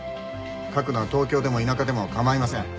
書くのは東京でも田舎でも構いません。